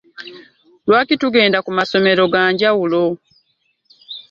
Lwaki tugenda ku masomero ga njawulo?